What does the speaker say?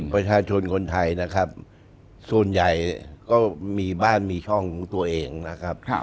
ประชาชนคนไทยนะครับส่วนใหญ่ก็มีบ้านมีช่องของตัวเองนะครับ